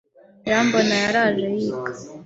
Irambona yaraye yiga.